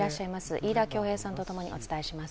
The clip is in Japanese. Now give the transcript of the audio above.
飯田恭平さんとともにお伝えします。